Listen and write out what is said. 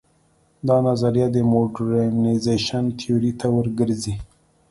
دا نظریه د موډرنیزېشن تیورۍ ته ور ګرځي.